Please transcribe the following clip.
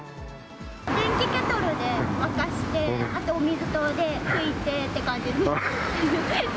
電気ケトルで沸かして、あとお水で拭いてって感じです。